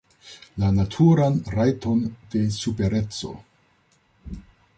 La naturan rajton de supereco.